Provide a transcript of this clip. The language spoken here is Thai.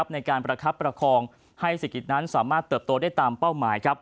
ในการประคับประคองให้เศรษฐกิจนั้นสามารถเติบโตได้ตามเป้าหมาย